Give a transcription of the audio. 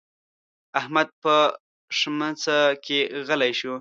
احمد په ښمڅه کې غلی شو.